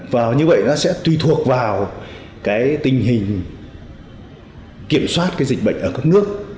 và như vậy nó sẽ tùy thuộc vào cái tình hình kiểm soát cái dịch bệnh ở các nước